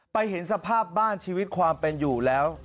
เห็นสภาพบ้านชีวิตความเป็นอยู่แล้ว